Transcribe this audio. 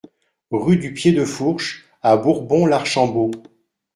Rue du Pied de Fourche à Bourbon-l'Archambault